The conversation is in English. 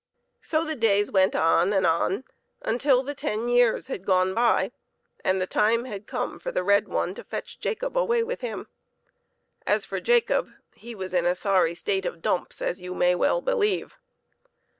So the days went on and on and on until the ten years had gone by and the time had come for the red one to fetch Jacob away with him. As for Jacob, he was in a sorry state of dumps, as you may well believe.